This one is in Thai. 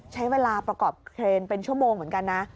ใช้เวลาประกอบเครนเป็นชั่วโมงเหมือนกันนะ